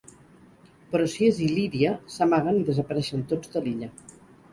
Però si és il·líria, s'amaguen i desapareixen tots de l'illa.